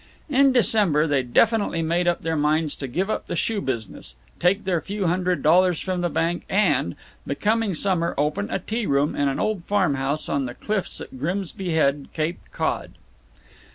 In December they definitely made up their minds to give up the shoe business, take their few hundred dollars from the bank, and, the coming summer, open a tea room in an old farm house on the Cliffs at Grimsby Head, Cape Cod.